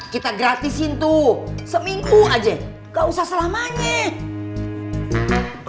kita gratisin tuh seminggu aja gak usah selamanya